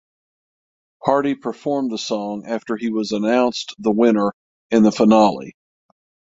Hardy performed the song after he was announced the winner in the finale.